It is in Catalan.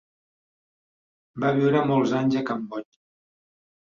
Va viure molts anys a Cambodja.